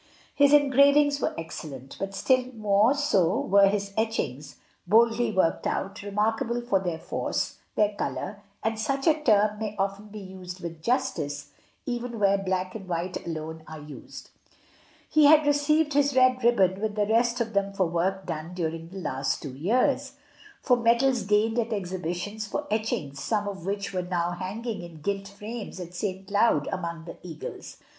His engravings were excellent, but still more so were his etchings, boldly ALMSGIVING. 8 1 worked out, remarkable for their force, their colour (and such a term may often be used with justice even where black and white alone are used)* He had received his red ribbon with the rest of them for work done during the last two years, for medals gained at exhibitions for etchings, some of which were now hanging in gilt frames at St. Cloud among the eagles.